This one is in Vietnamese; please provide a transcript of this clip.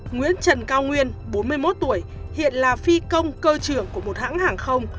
nguyễn trần cao nguyên bốn mươi một tuổi hiện là phi công cơ trưởng của một hãng hàng không